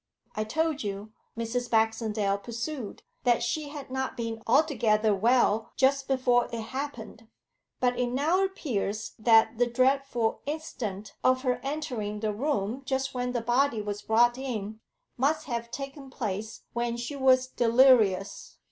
'I told you,' Mrs. Baxendale pursued, 'that she had not been altogether well just before it happened, but it now appears that the dreadful incident of her entering the room just when the body was brought in must have taken place when she was delirious.